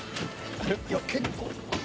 いや結構。